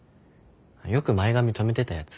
よく前髪とめてたやつ。